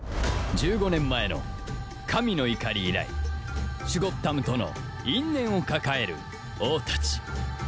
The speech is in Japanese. １５年前の神の怒り以来シュゴッダムとの因縁を抱える王たち